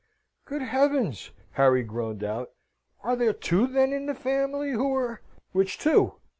"Good heavens!" Harry groaned out, "are there two then in the family, who are ?" "Which two?"